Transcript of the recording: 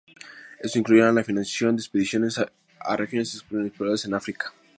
Estos incluían la financiación de expediciones a regiones inexploradas en África.